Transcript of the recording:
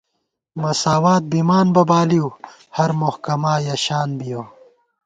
مساوات بِمان بہ بالِؤ ، ہر محکَما یَہ شان بِیَؤ